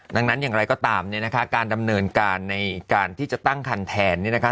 ดังนั้นอย่างไรก็ตามเนี่ยนะคะการดำเนินการในการที่จะตั้งคันแทนเนี่ยนะคะ